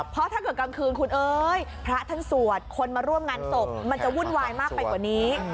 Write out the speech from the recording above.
เพราะถ้าเกิดกลางคืนคุณเอ้ยพระท่านสวดคนมาร่วมงานศพมันจะวุ่นวายมากไปกว่านี้